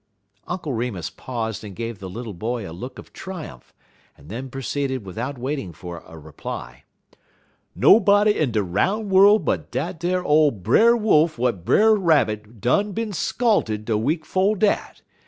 Uncle Remus paused and gave the little boy a look of triumph, and then proceeded without waiting for a reply: "Nobody in de roun' worl' but dat ar ole Brer Wolf w'at Brer Rabbit done bin scalted de week 'fo' dat.